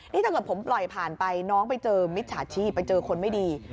นี่ถ้าเกิดผมปล่อยผ่านไปน้องไปเจอมิจฉาชีพไปเจอคนไม่ดี